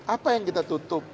apa yang kita tutup